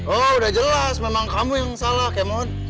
oh udah jelas memang kamu yang salah kemon